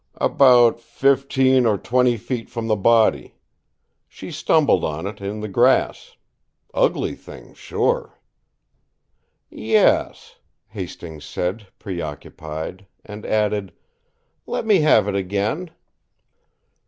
"About fifteen or twenty feet from the body. She stumbled on it, in the grass. Ugly thing, sure!" "Yes," Hastings said, preoccupied, and added: "Let me have it again."